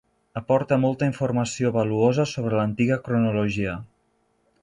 Aporta molta informació valuosa sobre l'antiga cronologia.